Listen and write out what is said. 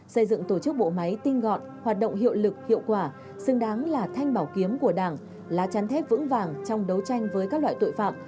xây dựng tổ chức bộ máy tinh gọn hoạt động hiệu lực hiệu quả xứng đáng là thanh bảo kiếm của đảng lá chắn thép vững vàng trong đấu tranh với các loại tội phạm